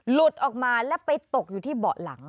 หลุดออกมาแล้วไปตกอยู่ที่เบาะหลัง